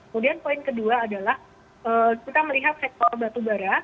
kemudian poin kedua adalah kita melihat sektor batu bara